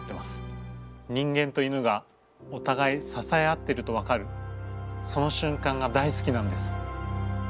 人間と犬がおたがいささえ合ってると分かるその瞬間が大好きなんです。